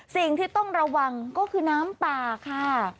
สิ่งที่ต้องระวังก็คือน้ำป่าค่ะ